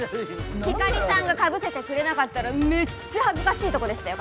光莉さんがかぶせてくれなかったらめっちゃ恥ずかしいとこでしたよ